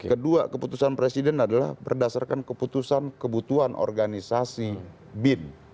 kedua keputusan presiden adalah berdasarkan keputusan kebutuhan organisasi bin